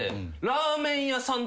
ラーメン屋さん